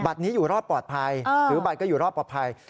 นี้อยู่รอดปลอดภัยหรือบัตรก็อยู่รอดปลอดภัย